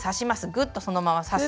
ぐっとそのまま刺す。